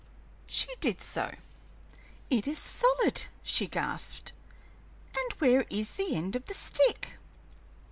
She did so. "It is solid!" she gasped; "but where is the end of the stick?"